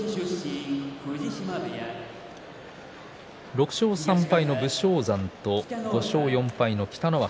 ６勝３敗の武将山と５勝４敗の北の若。